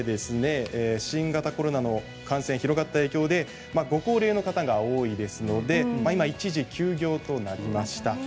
新型コロナの感染が広がった影響でご高齢の方が多いので一時休業ということになりました。